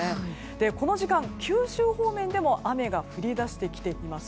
この時間、九州方面でも雨が降り出してきています。